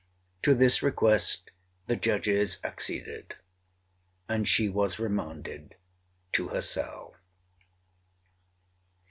To this request the judges acceded, and she was remanded to her cell.